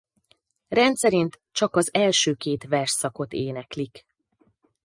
Rendszerint csak az első két versszakot éneklik.